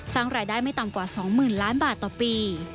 สร้างรายได้ไม่ต่ำกว่า๒๐๐๐ล้านบาทต่อปี